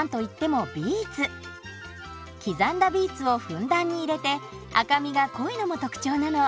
刻んだビーツをふんだんに入れて赤みが濃いのも特徴なの。